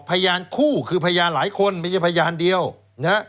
พยานคู่คือพยานหลายคนไม่ใช่พยานเดียวนะฮะ